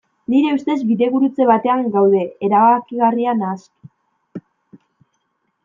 Nire ustez, bidegurutze batean gaude, erabakigarria naski.